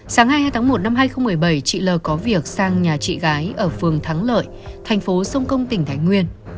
sáng hai mươi hai tháng một năm hai nghìn một mươi bảy chị l có việc sang nhà chị gái ở phường thắng lợi thành phố sông công tỉnh thái nguyên